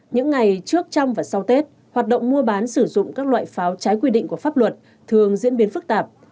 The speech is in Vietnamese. những ngày trước trong và sau tết hoạt động mua bán sử dụng các loại pháo trái quy định của pháp luật thường diễn biến phức tạp